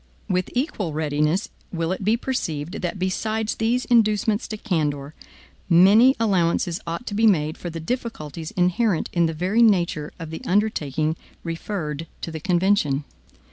With equal readiness will it be perceived, that besides these inducements to candor, many allowances ought to be made for the difficulties inherent in the very nature of the undertaking referred to the convention.